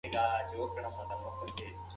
موږ نړۍ ته په نوي نظر ګورو.